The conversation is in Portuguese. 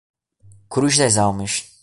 Cruz Das Almas